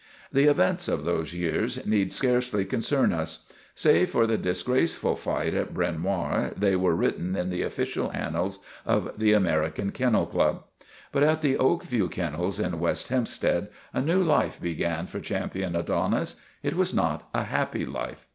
The events of those years need scarcely concern us. Save for the disgraceful fight in Bryn Mawr they are written in the official annals of the Ameri can Kennel Club. But at the Oak View Kennels in West Hempstead a new life began for Champion Adonis. It was not a happy life.